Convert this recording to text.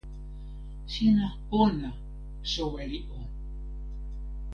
sina pona, soweli o.